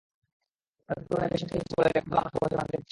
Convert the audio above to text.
তাঁদের তুলনায় বেশি ম্যাচ খেলছি বলেই রেকর্ডগুলো আমরা সহজে ভাঙতে পারছি।